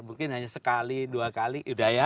mungkin hanya sekali dua kali